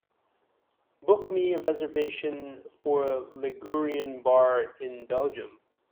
Book me a reservation for a ligurian bar in Belgium